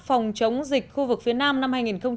phòng chống dịch khu vực phía nam năm hai nghìn một mươi bảy